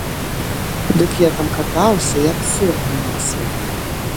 Дык я там катаўся як сыр у масле.